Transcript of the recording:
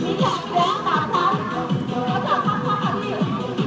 ยื้อขับข้างเตรียมขับแล้วค่ะ